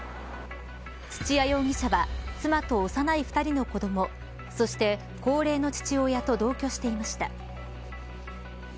土屋容疑者は妻と幼い２人の子どもそして、高齢の父親と同居していました。